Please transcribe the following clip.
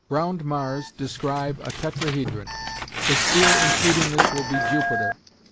Round Mars describe a tetrahedron; the sphere including this will be Jupiter.